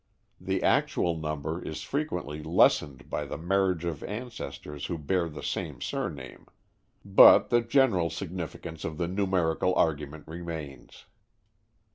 The actual number is frequently lessened by the marriage of ancestors who bear the same surname. But the general significance of the numerical argument remains.